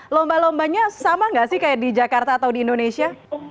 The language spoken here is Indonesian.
lomba lombanya sama nggak sih kayak di jakarta atau di indonesia